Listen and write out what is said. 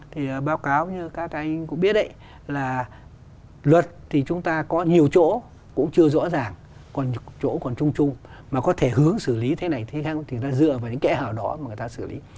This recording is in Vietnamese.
thì báo cáo như các anh cũng biết đấy là luật thì chúng ta có nhiều chỗ cũng chưa rõ ràng còn chỗ còn trung trung mà có thể hướng xử lý thế này thì chúng ta dựa vào những kẻ hảo đó mà người ta xử lý